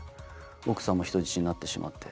奥さんも人質になってしまって。